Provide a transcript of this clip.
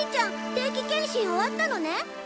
定期検診終わったのね。